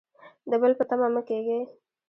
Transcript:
د بل په تمه مه کیږئ